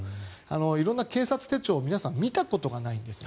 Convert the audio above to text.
みんな警察手帳を見たことがないんですね。